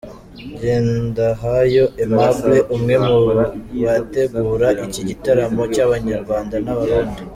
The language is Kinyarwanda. Ngendahayo Aimable; umwe mu bategura iki gitaramo cy'Abanyarwanda n'Abarundi.